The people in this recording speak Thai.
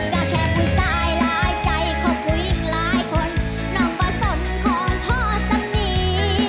ก็แค่พูดสายหลายใจขอพูดหญิงหลายคนน้องบ่สนของพ่อสมี